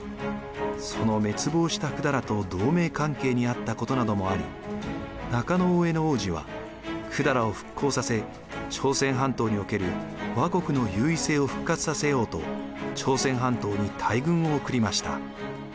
その滅亡した百済と同盟関係にあったことなどもあり中大兄皇子は百済を復興させ朝鮮半島における倭国の優位性を復活させようと朝鮮半島に大軍を送りました。